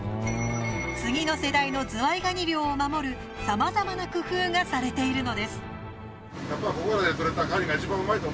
次の世代のズワイガニ漁を守るさまざまな工夫がされているのです。